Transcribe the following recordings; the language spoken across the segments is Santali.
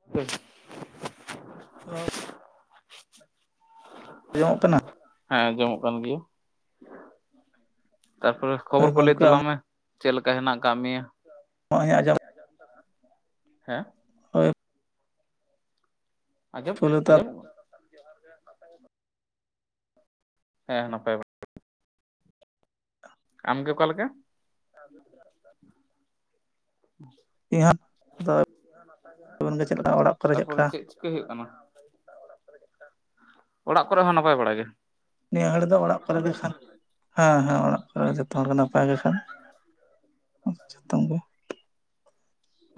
[unintelligible] [unintelligible] ᱟᱸᱡᱚᱢᱚᱜ ᱠᱟᱱᱟ ᱦᱮᱸ ᱡᱚᱢᱚᱜ ᱠᱟᱱ ᱜᱮᱭᱟ ᱛᱟᱨᱯᱚᱨᱮ ᱦᱳᱭ ᱠᱷᱚᱵᱚᱨ ᱠᱚ ᱞᱟᱹᱭ ᱜᱚᱢᱠᱮ ᱛᱟᱞᱟᱝ ᱟᱢᱟᱜ ᱢᱮ ᱪᱮᱫ ᱞᱮᱠᱟ ᱦᱮᱱᱟᱜ ᱟᱠᱟᱫ ᱢᱮᱭᱟ? [unintelligible] ᱡᱚᱢ ᱦᱮᱸ ᱦᱳᱭ ᱟᱡᱚᱢ ᱯᱳᱭᱞᱳᱛᱮ ᱟᱡᱚᱢ ᱦᱮᱸ ᱱᱟᱯᱟᱭ ᱟᱢ ᱜᱮ ᱚᱠᱟ ᱞᱮᱠᱟ [inaudible] ᱤᱧ ᱦᱚᱸ [unintelligible] ᱪᱮᱫᱮ ᱞᱮᱠᱟ ᱚᱲᱟᱜ ᱠᱚᱨᱮ ᱪᱮᱫ ᱞᱮᱠᱟ ᱪᱤᱠᱟᱹ ᱦᱩᱭᱩᱜ ᱠᱟᱱᱟ ᱚᱲᱟᱜ ᱠᱚᱨᱮ ᱦᱚᱸ ᱱᱟᱯᱟᱭ ᱵᱟᱲᱟ ᱜᱮ ᱱᱤᱭᱟᱹ ᱜᱷᱟᱹᱲᱤᱡ ᱫᱚ ᱚᱲᱟᱜ ᱠᱚᱨᱮ ᱜᱮ ᱠᱷᱟᱱ ᱦᱮᱸ ᱦᱮᱸ ᱚᱲᱟᱜ ᱠᱚᱨᱮ ᱡᱚᱛᱚ ᱦᱚᱲᱜ ᱱᱟᱯᱟᱭ ᱜᱮ ᱠᱷᱟᱱ ᱚᱛ [unintelligible]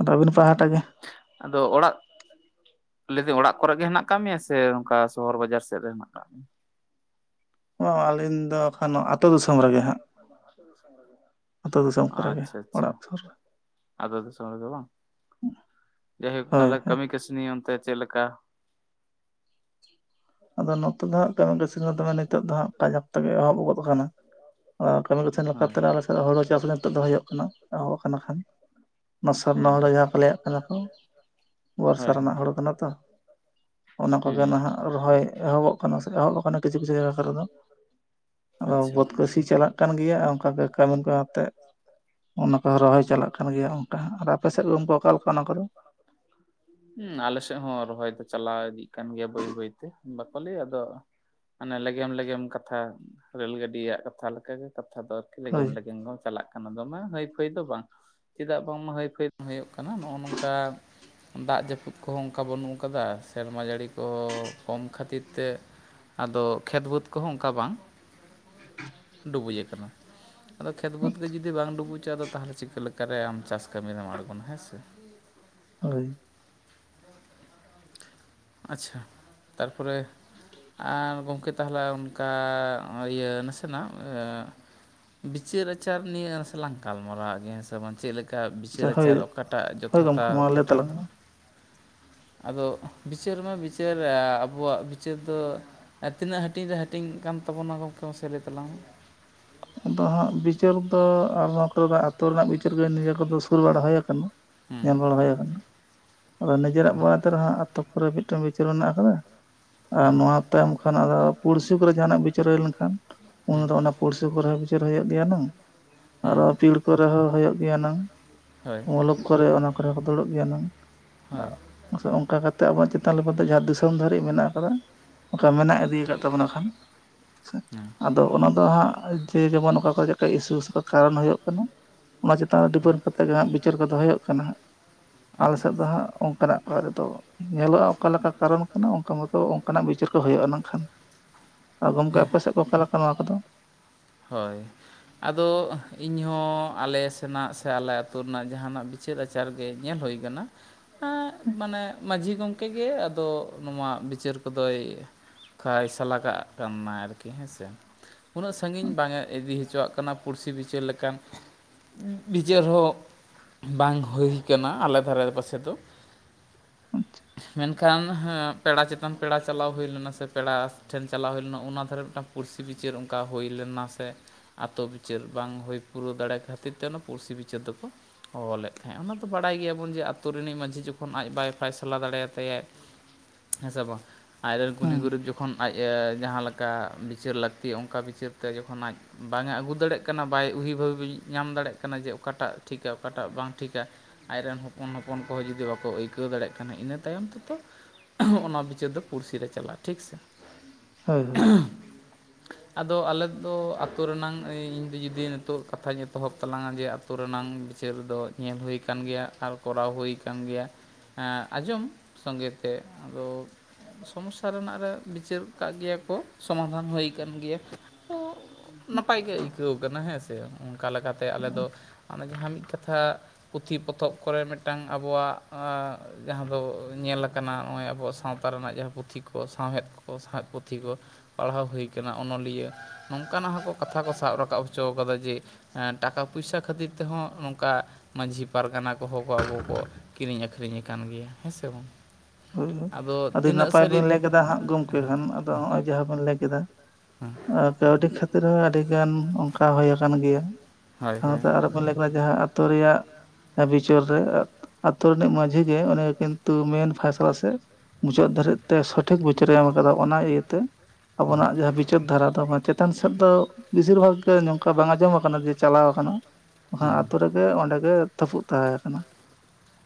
ᱜᱮ ᱨᱵᱤᱱ ᱯᱟᱦᱴᱟᱜ ᱜᱮ ᱟᱫᱚ ᱚᱲᱟᱜ ᱞᱟᱹᱭ ᱫᱚ ᱚᱲᱟᱜ ᱠᱚᱨᱮᱜ ᱜᱮ ᱦᱮᱱᱟᱜ ᱟᱠᱟᱫ ᱢᱮᱭᱟ ᱥᱮ ᱚᱱᱠᱟ ᱥᱚᱦᱚᱨ ᱵᱟᱡᱟᱨ ᱥᱮᱫ ᱨᱮ ᱦᱮᱱᱟᱜ ᱟᱠᱟᱫ ᱢᱮᱭᱟ ᱵᱟᱝ ᱟᱹᱞᱤᱧ ᱫᱚ ᱮᱠᱷᱟᱱ ᱟᱛᱳ ᱫᱤᱥᱚᱢ ᱨᱮᱜᱮ ᱦᱟᱸᱜ ᱟᱹᱛᱩᱳ ᱫᱤᱥᱚᱢ ᱠᱚᱨᱮᱜᱮ ᱟᱪᱪᱷᱟ ᱟᱪᱪᱷᱟ ᱚᱲᱟᱜ ᱥᱩᱨ ᱨᱮ ᱟᱫᱚ ᱫᱤᱥᱚᱢ ᱨᱮᱫᱚ ᱵᱟᱝ ᱡᱟᱭᱦᱳᱠ ᱦᱳᱭ ᱛᱟᱦᱚᱞᱮ ᱦᱳᱭ ᱠᱟᱹᱢᱤ ᱠᱟᱹᱥᱱᱤ ᱚᱱᱛᱮ ᱪᱮᱫᱮᱠᱟ ᱟᱫᱚ ᱱᱚᱛᱮ ᱫᱚ ᱦᱟᱸᱜ ᱠᱤᱥᱤ ᱫᱚᱮ ᱱᱤᱛᱚᱜ ᱫᱚ ᱦᱜ ᱠᱟᱡᱟᱠ ᱛᱮᱜᱮ ᱮᱦᱚᱵ ᱜᱚᱫ ᱟᱠᱟᱱᱟ ᱠᱟᱹᱢᱤ ᱠᱚ ᱛᱟᱦᱮᱱ ᱦᱳᱭ ᱞᱮᱠᱟᱛᱮ ᱟᱞᱮ ᱥᱮᱫ ᱦᱩᱲᱩ ᱪᱟᱥ ᱱᱤᱛᱚᱜ ᱫᱚᱦ ᱦᱩᱭᱩᱜᱚᱭ ᱠᱟᱱᱟ ᱮᱦᱚᱵ ᱠᱟᱱᱟ ᱠᱷᱟᱱ ᱚᱱᱟ ᱥᱟᱨᱱᱟ ᱦᱩᱸ ᱦᱚᱲ ᱡᱟᱦᱟᱸ ᱠᱚ ᱞᱟᱹᱭᱟᱜ ᱠᱟᱱᱟ ᱠᱚ ᱵᱚᱨᱥᱟ ᱦᱳᱭ ᱨᱮᱱᱟᱜ ᱦᱳᱭ ᱦᱚᱲ ᱠᱟᱱᱟ ᱛᱚ ᱚᱱᱟ ᱠᱚᱜᱮ ᱦᱩᱸ ᱱᱟᱦᱟᱸᱜ ᱮᱦᱚᱵᱚᱜ ᱠᱟᱱᱟ ᱥᱮ ᱮᱦᱚᱵ ᱟᱠᱟᱱᱟ ᱠᱤᱪᱷᱩ ᱠᱤᱪᱷᱩ ᱡᱟᱭᱜᱟ ᱠᱚᱨᱮ ᱫᱚ᱾ ᱟᱫᱚ ᱟᱪᱪᱷᱟ ᱵᱚᱫ ᱠᱚᱥᱤ ᱪᱟᱞᱟᱜ ᱾ ᱠᱟᱱ ᱜᱮᱭᱟ ᱚᱱᱠᱟᱜᱮ ᱠᱟᱹᱢᱤ ᱠᱚ ᱟᱛᱮᱫ ᱚᱱᱟ ᱨᱚᱦᱚᱭ ᱪᱟᱞᱟᱜ ᱠᱟᱱ ᱜᱮᱭᱟ ᱚᱱᱠᱟ ᱟᱨ ᱟᱯᱮ ᱥᱮᱫ ᱠᱚ ᱩᱱ ᱠᱚ ᱚᱠᱟᱞ ᱠᱚ ᱚᱱᱟ ᱠᱚᱫᱚ ᱦᱮᱸ ᱟᱞᱮᱥᱮᱫ ᱦᱚᱸ ᱨᱚᱦᱚᱭ ᱫᱚ ᱪᱟᱞᱟᱣ ᱤᱫᱤᱜ ᱠᱟᱱ ᱜᱮᱭᱟ ᱵᱟᱹᱭ ᱵᱟᱹᱭᱛᱮ ᱵᱟᱠᱚ ᱞᱟᱹᱭᱟ ᱟᱫᱚ ᱢᱟᱱᱮ ᱞᱮᱜᱮᱢ ᱞᱮᱜᱮᱢ ᱠᱟᱛᱷᱟ ᱨᱮᱹᱞ ᱜᱟᱹᱰᱤᱭᱟᱜ ᱠᱟᱛᱷᱟ ᱞᱮᱠᱟᱜᱮ ᱠᱟᱛᱷᱟ ᱫᱚ ᱞᱮᱜᱮᱢ ᱦᱳᱭ ᱞᱮᱜᱮᱢ ᱫᱚ ᱪᱟᱞᱟᱜ ᱠᱟᱱᱟ ᱫᱚᱢᱮ ᱦᱟᱹᱭ ᱯᱷᱟᱹᱭ ᱫᱚ ᱵᱟᱝ ᱪᱮᱫᱟᱜ ᱵᱟᱝᱢᱟ ᱦᱟᱹᱭᱯᱷᱟᱹᱭ ᱦᱩᱭᱩᱜ ᱠᱟᱱᱟ ᱱᱚᱜᱼᱚᱭ ᱱᱚᱝᱠᱟ ᱫᱟᱜ ᱡᱟᱹᱯᱩᱫ ᱠᱚᱦᱚᱸ ᱚᱱᱠᱟ ᱵᱟᱹᱱᱩᱜ ᱟᱠᱟᱫᱟ ᱥᱮᱨᱢᱟ ᱡᱟᱹᱲᱤ ᱠᱚᱦᱚᱸ ᱠᱚᱢ ᱠᱷᱟᱹᱛᱤᱨ ᱛᱮ ᱟᱫᱚ ᱠᱷᱮᱛ ᱵᱟᱹᱫᱽ ᱠᱚᱦᱚᱸ ᱚᱱᱠᱟ ᱵᱟᱝ ᱰᱩᱵᱩᱡ ᱟᱠᱟᱱᱟ ᱟᱫᱚ ᱠᱷᱮᱛ ᱵᱟᱹᱫᱽ ᱜᱮ ᱡᱩᱫᱤ ᱵᱟᱝ ᱰᱩᱵᱩᱡᱚᱜᱼᱟᱫᱚ ᱛᱟᱦᱚᱞᱮ ᱪᱤᱠᱟᱹ ᱞᱮᱠᱟᱨᱮ ᱟᱢ ᱪᱟᱥ ᱠᱟᱹᱢᱤ ᱨᱮᱢ ᱟᱬᱜᱚᱱᱟ ᱦᱮᱸ ᱥᱮ ᱦᱳᱭ ᱟᱪᱷᱟ ᱛᱟᱨᱯᱚᱨᱮ ᱟᱨ ᱜᱚᱢᱠᱮ ᱛᱟᱦᱚᱞᱮ ᱚᱱᱠᱟ ᱤᱭᱟᱹ ᱱᱟᱥᱮᱱᱟᱜ ᱵᱤᱪᱟᱹᱨ ᱟᱪᱟᱨ ᱱᱤᱭᱟᱹ ᱱᱟᱥᱮᱞᱟᱝ ᱜᱟᱞ ᱢᱟᱨᱟᱣ ᱣᱟᱜ ᱜᱤᱭᱟ ᱦᱮ ᱡᱮᱢᱚᱱ ᱪᱮᱫ ᱞᱮᱠᱟ ᱟᱪᱪᱷᱟ ᱵᱤᱪᱟᱹᱨ ᱦᱳᱭ ᱟᱪᱟᱨ ᱚᱠᱟᱴᱟᱜ ᱦᱳᱭ ᱡᱚᱛᱷᱟᱛᱟ, ᱜᱚᱢᱠᱮ ᱢᱟ ᱞᱟᱹᱭ ᱚᱠᱟᱴᱟᱜ ᱛᱟᱞᱟᱝ ᱢᱮ ᱟᱫᱚ ᱵᱤᱪᱟᱹᱨ ᱢᱟ ᱵᱤᱪᱟᱹᱨ ᱟᱵᱚᱣᱟᱜ ᱵᱤᱪᱟᱹᱨ ᱫᱚ ᱟᱨ ᱛᱤᱱᱟᱹᱜ ᱦᱟᱹᱴᱤᱧ ᱨᱮ ᱦᱟᱹᱴᱤᱧ ᱠᱟᱱ ᱛᱟᱵᱚᱱᱟ ᱜᱚᱢᱠᱮ ᱢᱟᱥᱮ ᱞᱟᱹᱭ ᱛᱟᱞᱟᱝ ᱢᱮ᱾ ᱟᱫᱚ ᱦᱟᱸᱜ ᱵᱤᱪᱟᱹᱨ ᱫᱚ ᱟᱨᱦᱚᱸ ᱟᱛᱳ ᱨᱮᱱᱟᱜ ᱵᱤᱪᱟᱹᱨ ᱜᱮ ᱱᱤᱡᱮ ᱠᱚᱫᱚ ᱥᱩᱨ ᱵᱟᱲᱟ ᱦᱩᱭᱠᱟᱱᱟ᱾ ᱦᱮᱸ ᱧᱮᱞ ᱵᱟᱲᱟ ᱦᱩᱭ ᱠᱟᱱᱟ ᱟᱫᱚ ᱱᱤᱡᱮᱨᱟᱜ ᱢᱚᱱᱮᱛᱮᱨᱮᱦᱚ ᱯᱚᱨᱮ ᱢᱤᱫᱴᱮᱱ ᱵᱤᱪᱟᱹᱨ ᱢᱮᱱᱟᱜ ᱟᱠᱟᱫᱟ, ᱟᱨ ᱦᱮᱸ ᱱᱚᱶᱟ ᱛᱟᱭᱚᱢ ᱠᱷᱟᱱ ᱟᱨᱚ ᱯᱩᱲᱥᱤ ᱠᱚᱨᱮ ᱡᱟᱦᱟᱱᱟᱜ ᱵᱤᱪᱟᱹᱨ ᱦᱩᱭ ᱞᱮᱱᱠᱷᱟᱱ, ᱩᱱ ᱦᱮᱸ ᱨᱮ ᱚᱱᱟ ᱠᱚᱨᱟᱣ ᱵᱤᱪᱚᱹᱨ ᱦᱩᱭᱩᱜ ᱜᱮᱭᱟ ᱱᱟᱝ ᱦᱮᱸ ᱟᱨᱚ ᱯᱤᱲ ᱠᱚᱨᱮ ᱦᱚᱸ ᱦᱳᱭᱳᱜ ᱜᱮᱭᱟ ᱱᱟᱝ ᱦᱳᱭ ᱢᱩᱞᱩᱠ ᱠᱚᱨᱮ ᱚᱱᱟ ᱠᱚᱨᱮ ᱦᱚᱸ ᱫᱩᱲᱩᱵ ᱜᱮᱭᱟ ᱱᱟᱝ ᱦᱳᱭ ᱚᱱᱠᱟ ᱠᱟᱛᱮᱫ ᱟᱵᱚᱣᱟᱜ ᱪᱮᱛᱟᱱ ᱫᱚ ᱡᱟᱦᱟᱸ ᱫᱤᱥᱚᱢ ᱫᱷᱟᱹᱨᱤᱡ ᱢᱮᱱᱟᱜ ᱠᱟᱫᱟ᱾ ᱚᱱᱠᱟ ᱢᱮᱱᱟᱜ ᱤᱫᱤᱠᱟᱫ ᱛᱟᱵᱚᱱᱟ ᱠᱷᱟᱱ, ᱦᱮᱥᱮ ᱦᱮᱸ ᱟᱫᱚ ᱚᱱᱟ ᱫᱚ ᱦᱟᱸᱜ ᱡᱮ ᱡᱮᱢᱚᱱ ᱚᱠᱟ ᱠᱚᱨᱮ ᱪᱮᱫᱮᱠᱟ ᱤᱥᱩᱥ ᱠᱟᱨᱚᱱ ᱦᱩᱭᱩᱜ ᱠᱟᱱᱟ, ᱚᱱᱟ ᱪᱮᱛᱟᱱ ᱨᱮ ᱦᱮᱸ ᱰᱤᱯᱮᱱᱰ ᱠᱟᱛᱮᱫ ᱜᱮ ᱦᱟᱸᱜ ᱵᱤᱪᱟᱹᱨ ᱠᱚᱫᱚ ᱦᱩᱭᱩᱜ ᱠᱟᱱᱟ ᱦᱟᱸᱜ᱾ ᱟᱞᱮ ᱥᱮᱫ ᱟᱪᱪᱷᱟ ᱫᱚ ᱦᱟᱸᱜ ᱚᱱᱠᱟᱱᱟᱜ ᱠᱚ ᱨᱮᱫᱚᱚ ᱧᱮᱞᱚᱜᱼᱟ ᱚᱠᱟᱞᱮᱠᱟ ᱠᱟᱨᱚᱱ ᱠᱟᱱᱟ ᱚᱱᱠᱟ ᱢᱚᱛᱚ ᱚᱱᱠᱟᱱᱟᱜ ᱵᱤᱪᱟᱹᱨ ᱠᱚ ᱦᱩᱭᱩᱜᱼᱟ ᱱᱟᱜᱠᱷᱟᱱ᱾ ᱜᱚᱢᱠᱮ ᱟᱯᱮ ᱥᱮᱫ ᱠᱚ ᱚᱠᱟ ᱞᱮᱠᱟ ᱱᱚᱣᱟ ᱠᱚᱫᱚ?. ᱦᱳᱭ, ᱟᱫᱚ ᱤᱧᱦᱚᱸ ᱟᱞᱮ ᱥᱮᱱᱟᱜ ᱥᱮ ᱟᱞᱮ ᱟᱹᱛᱩ ᱨᱮᱱᱟᱜ ᱡᱟᱦᱟᱱᱟᱜ ᱵᱤᱪᱟᱹᱨ ᱟᱪᱟᱨ ᱜᱮ ᱧᱮᱞ ᱦᱩᱭ ᱠᱟᱱᱟ᱾ ᱦᱮᱸᱜ ᱢᱟᱱᱮ ᱢᱟᱹᱡᱷᱤ ᱜᱚᱢᱠᱮ ᱜᱮ ᱟᱫᱚ ᱱᱚᱣᱟ ᱵᱤᱪᱟᱹᱨ ᱠᱚᱫᱚᱭ ᱯᱷᱟᱭᱥᱟ ᱞᱟᱜᱟᱹᱜ ᱠᱟᱱᱟᱭ ᱟᱨᱠᱤ ᱦᱮᱸᱥᱮ, ᱩᱱᱟᱹᱜ ᱥᱟᱺᱜᱤᱧ ᱵᱟᱝ ᱮ ᱤᱫᱤ ᱦᱚᱪᱚᱣᱟᱜ ᱠᱟᱱᱟ ᱯᱩᱲᱥᱤ ᱵᱤᱪᱟᱹᱨ ᱞᱮᱠᱟᱱ, ᱵᱤᱪᱟᱹᱨ ᱦᱚᱸ ᱵᱟᱝ ᱦᱩᱭ ᱠᱟᱱᱟ ᱟᱞᱮ ᱫᱷᱟᱨᱮ ᱯᱟᱥᱮ ᱫᱚ᱾ ᱟᱪᱪᱷᱟ ᱢᱮᱱᱠᱷᱟᱱ ᱠᱷᱟᱱ ᱦᱮᱸ ᱯᱮᱲᱟ ᱪᱮᱛᱟᱱ ᱯᱮᱲᱟ ᱪᱟᱞᱟᱣ ᱦᱩᱭ ᱞᱮᱱᱟ ᱥᱮ ᱯᱮᱲᱟ ᱴᱷᱮᱱ ᱪᱟᱞᱟᱣ ᱦᱩᱭ ᱞᱮᱱᱟ ᱚᱱᱟ ᱫᱷᱟᱨᱮ ᱢᱤᱫᱴᱟᱝ ᱯᱩᱲᱥᱤ ᱵᱤᱪᱟᱹᱨ ᱚᱱᱠᱟ ᱦᱩᱭ ᱞᱮᱱᱟ ᱥᱮ ᱟᱛᱳ ᱵᱤᱪᱟᱹᱨ ᱵᱟᱝ ᱦᱩᱭ ᱯᱩᱨᱟᱹᱣ ᱫᱟᱲᱮ ᱠᱷᱟᱹᱛᱤᱨ ᱛᱮ ᱚᱱᱟ ᱯᱩᱲᱥᱤ ᱵᱤᱪᱟᱹᱨ ᱫᱚᱠᱚ ᱦᱚᱦᱚ ᱞᱮᱫ ᱛᱟᱦᱮᱸᱜ-ᱟ ᱚᱱᱟ ᱫᱚ ᱵᱟᱲᱟᱭ ᱜᱮᱭᱟᱵᱚᱱ ᱡᱮ ᱟᱹᱛᱳ ᱨᱤᱱᱤᱡ ᱢᱟᱺᱡᱷᱤ ᱡᱚᱠᱷᱚᱱ ᱟᱡ ᱵᱟᱭ ᱯᱷᱟᱭᱥᱟᱞᱟ ᱫᱟᱲᱮᱭᱟᱛᱟᱭᱟᱭ ᱦᱮᱸ ᱥᱮ ᱵᱟᱝ ᱟᱡᱨᱮᱱ ᱜᱩᱱᱤ ᱦᱩᱸ ᱜᱩᱨᱩᱵᱽ ᱡᱚᱠᱷᱚᱱ ᱟᱡ-ᱮ ᱡᱟᱦᱟᱸ ᱞᱮᱠᱟ ᱵᱤᱪᱟᱹᱨ ᱞᱟᱹᱠᱛᱤ ᱚᱝᱠᱟ ᱵᱤᱪᱟᱹᱨᱛᱮ ᱡᱚᱠᱷᱚᱱ ᱟᱡ ᱵᱟᱝᱟ ᱟᱹᱜᱩ ᱫᱟᱲᱮᱜ ᱠᱟᱱᱟ ᱵᱟᱭ ᱩᱭᱦᱤ ᱵᱷᱟᱵᱤ ᱧᱟᱢ ᱫᱟᱲᱮᱜ ᱠᱟᱱᱟ ᱡᱮ ᱚᱠᱟᱴᱟᱜ ᱴᱷᱤᱠᱟ ᱚᱠᱟᱴᱟᱜ ᱵᱟᱝ ᱴᱷᱤᱠᱟ ᱟᱡᱨᱮ ᱨᱮᱱ ᱦᱚᱯᱚᱱ ᱦᱚᱯᱚᱱ ᱠᱚᱦᱚᱸ ᱡᱩᱫᱤ ᱵᱟᱠᱚ ᱟᱹᱭᱠᱟᱹᱣ ᱫᱟᱲᱮᱭᱟᱜ ᱠᱷᱟᱱ ᱤᱱᱟᱹ ᱛᱟᱭᱚᱢ ᱛᱮ ᱛᱚ ᱚᱱᱟ ᱵᱤᱪᱟᱹᱨ ᱫᱚ ᱯᱩᱲᱥᱤ ᱨᱮ ᱪᱟᱞᱟᱜᱼᱟ ᱴᱷᱤᱠᱽ ᱥᱮ ᱦᱳᱭ ᱦᱳᱭ ᱟᱫᱚ ᱟᱞᱮ ᱫᱚ ᱟᱹᱛᱩ ᱨᱮᱱᱟᱝ ᱤᱧ ᱫᱚ ᱡᱩᱫᱤ ᱱᱤᱛᱚᱜ ᱠᱟᱛᱷᱟᱧ ᱮᱛᱚᱦᱚᱵ ᱛᱟᱞᱟᱝ-ᱟ ᱡᱮ ᱟᱹᱛᱳ ᱨᱮᱱᱟᱝ ᱵᱤᱪᱟᱹᱨ ᱫᱚ ᱧᱮᱞ ᱦᱩᱭ ᱟᱠᱟᱱ ᱜᱮᱭᱟ, ᱟᱨ ᱠᱚᱨᱟᱣ ᱦᱩᱭᱟᱠᱟᱱ ᱜᱮᱭᱟ᱾ ᱟᱸᱡᱚᱢ ᱥᱚᱸᱜᱮ ᱛᱮ ᱟᱫᱚ ᱥᱚᱢᱚᱥᱟ ᱨᱮᱱᱟᱜ ᱨᱮ ᱵᱤᱪᱟᱹᱨ ᱠᱟᱜ ᱜᱮᱭᱟ ᱠᱚ ᱥᱚᱢᱟᱫᱷᱟᱱ ᱦᱩᱭ ᱠᱟᱱ ᱜᱮᱭᱟ, ᱛᱚ ᱱᱟᱯᱟᱭ ᱜᱮ ᱟᱹᱭᱠᱟᱹᱣ ᱠᱟᱱᱟ ᱦᱮᱸ ᱥᱮ ᱚᱱᱠᱟ ᱞᱮᱠᱟᱛᱮ ᱟᱞᱮ ᱫᱚ ᱦᱟᱱᱮ ᱡᱟᱦᱟᱸ ᱢᱤᱫ ᱠᱟᱛᱷᱟ ᱯᱩᱛᱷᱤ ᱯᱚᱛᱷᱚᱵ ᱠᱚᱨᱮ ᱢᱮᱫᱴᱟᱝ ᱟᱵᱚᱣᱟᱜ ᱟᱸᱻ ᱡᱟᱦᱟᱸ ᱫᱚ ᱧᱮᱞᱟᱠᱟᱱᱟ ᱦᱚᱸᱜᱼᱚᱭ ᱟᱵᱚᱣᱟᱜ ᱥᱟᱶᱛᱟ ᱨᱮᱱᱟᱜ ᱡᱟᱦᱟᱸ ᱯᱩᱛᱷᱤ ᱠᱚ ᱥᱟᱶᱦᱮᱫ ᱥᱟᱶᱦᱮᱫ ᱯᱩᱛᱷᱤ ᱠᱚ ᱯᱟᱲᱦᱟᱣ ᱦᱩᱭ ᱠᱟᱱᱟ ᱚᱱᱚᱞᱤᱭᱟᱹ ᱤᱭᱟᱹ ᱱᱚᱝᱠᱟᱱᱟᱜ ᱦᱚᱸ ᱠᱚ ᱠᱟᱛᱷᱟ ᱠᱚ ᱥᱟᱵ ᱨᱟᱠᱟᱵ ᱦᱚᱪᱚ ᱠᱟᱫᱟ ᱡᱮ ᱮᱸᱻ ᱴᱟᱠᱟ ᱯᱚᱭᱥᱟ ᱠᱷᱟᱹᱛᱤᱨ ᱛᱮᱦᱚᱸ ᱱᱚᱝᱠᱟ ᱢᱟᱹᱡᱷᱤ ᱯᱟᱨᱜᱟᱱᱟ ᱠᱚᱦᱚᱸ ᱠᱚ ᱟᱹᱜᱩ ᱠᱚᱣᱟ ᱠᱤᱨᱤᱧ ᱟᱠᱷᱨᱤᱧ ᱟᱠᱟᱱ ᱜᱮᱭᱟ ᱦᱮᱸ ᱥᱮ ᱵᱟᱝ ᱦᱳᱭ ᱦᱳᱭ ᱟᱫᱚ ᱟᱹᱰᱤ ᱛᱤᱱᱟᱹᱜ ᱱᱟᱯᱟᱭ ᱥᱟᱹᱨᱤ ᱵᱮᱱ ᱞᱮᱹᱭ ᱠᱮᱫᱟ ᱦᱟᱸᱜ ᱜᱚᱢᱠᱮ ᱠᱷᱟᱱ ᱟᱫᱚ ᱱᱚᱜᱼᱚᱭ ᱡᱟᱦᱟᱸ ᱵᱤᱱ ᱞᱟᱹᱭ ᱠᱮᱫᱟ ᱟᱨ ᱠᱟᱹᱣᱰᱤ ᱠᱷᱟᱹᱛᱤᱨ ᱦᱚᱸ ᱟᱹᱰᱤ ᱜᱟᱱ ᱚᱝᱠᱟ ᱦᱩᱭ ᱟᱠᱟᱱ ᱜᱮᱭᱟ ᱦᱳᱭ ᱥᱟᱶᱛᱮ ᱟᱨᱚ ᱦᱳᱭ ᱠᱚ ᱞᱟᱹᱭ [unintelligible] ᱡᱟᱦᱟᱸ ᱟᱹᱛᱳ ᱨᱮᱭᱟᱜ ᱵᱤᱪᱚᱹᱨ ᱨᱮ ᱟᱛᱳ ᱨᱤᱱᱤᱡ ᱢᱟᱡᱷᱤ ᱜᱮ ᱚᱱᱮ ᱠᱤᱱᱛᱩ ᱢᱮᱱ ᱥᱮ ᱢᱩᱪᱟᱹᱫ ᱫᱷᱟᱹᱨᱤᱡ ᱛᱮ ᱥᱚᱴᱷᱤᱠ ᱵᱚᱪᱚᱨᱮ ᱮᱢ ᱟᱠᱟᱫᱟ ᱚᱱᱟ ᱤᱭᱟᱹᱛᱮ ᱟᱵᱚᱱᱟᱜ ᱡᱟᱦᱟᱸ ᱢᱩᱪᱟᱹᱫ ᱫᱷᱟᱨᱟ ᱫᱚ ᱪᱮᱛᱟᱱ ᱥᱮᱫ ᱫᱚ ᱵᱮᱥᱤᱨ ᱵᱷᱟᱜᱽ ᱜᱮ ᱱᱚᱝᱠᱟ ᱵᱟᱝ ᱟᱸᱡᱚᱢ ᱟᱠᱟᱱᱟ ᱡᱮ ᱪᱟᱞᱟᱣ ᱟᱠᱟᱱᱟ᱾ ᱚᱱᱟ ᱦᱳᱭ ᱟᱛᱩ ᱨᱮᱜᱮ ᱚᱸᱰᱮᱜᱮ ᱛᱟᱹᱯᱩᱜ ᱛᱟᱦᱮᱸ ᱠᱟᱱᱟ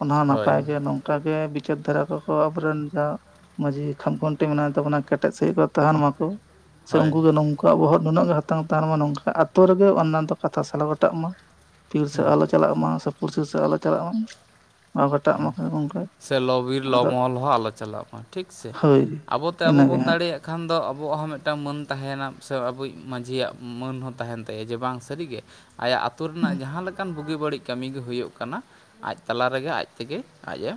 ᱚᱱᱟ ᱦᱚᱸ ᱦᱳᱭ ᱱᱟᱯᱟᱭ ᱜᱮ ᱱᱚᱝᱠᱟ ᱱᱚᱝᱠᱟ ᱜᱮ ᱵᱤᱪᱟᱹᱨ ᱫᱷᱷᱟᱨᱟ ᱠᱚ ᱟᱵᱚᱨᱮᱱ ᱡᱟᱦᱟᱸ ᱢᱟᱹᱡᱷᱤ ᱠᱷᱟᱢᱠᱷᱩᱱᱴᱤ ᱢᱮᱱᱟᱭ ᱛᱟᱵᱚᱱᱟ ᱠᱮᱴᱮᱡ ᱥᱟᱺᱦᱤᱡ ᱠᱚ ᱛᱟᱦᱮᱱ ᱢᱟᱠᱚ ᱥᱮ ᱦᱳᱭ ᱩᱱᱠᱩ ᱜᱮ ᱱᱚᱝ ᱩᱱᱠᱩᱣᱟᱜ ᱵᱚᱦᱚᱜ ᱱᱩᱱᱟᱹᱜ ᱜᱮ ᱦᱟᱛᱟᱝ ᱛᱟᱦᱮᱱ ᱢᱟ ᱱᱚᱝᱠᱟ ᱟᱛᱳ ᱨᱮᱜᱮ ᱚᱱᱟᱱ ᱫᱚ ᱠᱟᱛᱷᱟ ᱥᱟᱞ ᱜᱚᱴᱟᱜ ᱢᱟ ᱯᱷᱤᱨ ᱥᱮ ᱦᱩᱸ ᱟᱞᱪᱚ ᱪᱟᱞᱟᱜ ᱢᱟ ᱥᱮ ᱯᱩᱲᱥᱤ ᱥᱮᱫ ᱟᱞᱚ ᱪᱟᱞᱟᱜ ᱢᱟ ᱟᱨ ᱜᱚᱴᱟᱜ ᱢᱟ ᱦᱩᱸ ᱜᱚᱢᱠᱮ ᱥᱮ ᱞᱚᱼ ᱵᱤᱨ ᱞᱚ ᱢᱚᱦᱚᱞ ᱦᱚᱸ ᱟᱞᱚ ᱪᱟᱞᱟᱜ ᱢᱟ ᱴᱷᱤᱠ ᱥᱮ ᱦᱳᱭ ᱟᱵᱚᱛᱮ ᱟᱵᱚ ᱤᱱᱟᱹᱜᱮ ᱵᱚᱱ ᱦᱟᱸᱜ ᱫᱟᱲᱮᱭᱟᱜ ᱠᱟᱱᱟ ᱮᱠᱷᱟᱱ ᱫᱚ ᱟᱵᱚᱣᱟᱜ ᱦᱚᱸ ᱢᱤᱫᱴᱟᱝ ᱢᱟᱹᱱ ᱛᱟᱦᱮᱱᱟ ᱥᱮ ᱟᱵᱚᱭᱤᱡ ᱢᱟᱺᱡᱷᱤᱭᱟᱜ ᱢᱟᱹᱱ ᱦᱚᱸ ᱛᱟᱦᱮᱱ ᱛᱟᱭᱟ ᱡᱮ ᱵᱟᱝ ᱥᱟᱹᱨᱤᱜᱮ ᱟᱭᱟᱜ ᱟᱹᱛᱩ ᱨᱮᱱᱟᱜ ᱡᱟᱦᱟᱸ ᱞᱮᱠᱟᱱ ᱵᱩᱜᱤ ᱵᱟᱹᱲᱤᱡ ᱠᱟᱹᱢᱤ ᱜᱮ ᱦᱩᱭᱩᱜ ᱠᱟᱱᱟ ᱟᱡ ᱛᱟᱞᱟ ᱨᱮᱜᱮ ᱟᱡ ᱛᱮᱜᱮ ᱟᱡᱼᱮ